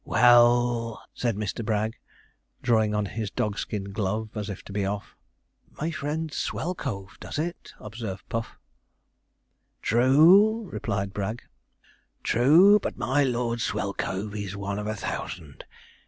'Well,' said Mr. Bragg, drawing on his dogskin glove as if to be off. 'My friend Swellcove does it,' observed Puff. 'True,' replied Bragg, 'true; but my Lord Swellcove is one of a thousand.